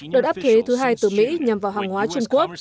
đợt áp thuế thứ hai từ mỹ nhằm vào hàng hóa trung quốc